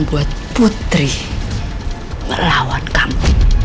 beri melawan kami